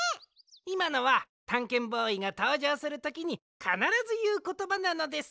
いまのはたんけんボーイがとうじょうするときにかならずいうことばなのです！